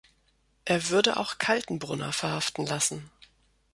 Er würde auch Kaltenbrunner verhaften lassen.